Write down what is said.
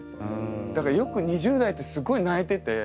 だからよく２０代ってすごい泣いてて。